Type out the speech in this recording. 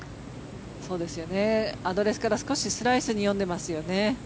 アドレスから少しスライスに読んでますね。